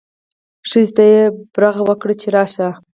ښځې ته یې برغ وکړ چې راشه.